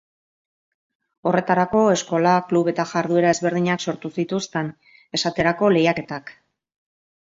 Horretarako eskola, klub eta jarduera ezberdinak sortu zituzten, esaterako lehiaketak.